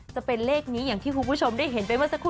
จะเป็นเลขนี้อย่างที่คุณผู้ชมได้เห็นไปเมื่อสักครู่